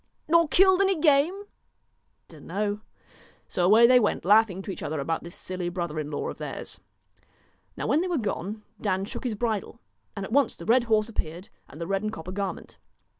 ' Nor killed any game ?'' Don't know.' So away they went, laughing to each other about this silly brother in law of theirs. Now when they were gone, Dan shook his bridle, and at once the red horse appeared and the red 141 DON'T and copper garment.